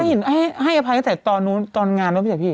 น้ำพัดให้อภัยหรือเปล่านู่นแต่ตอนงานพี่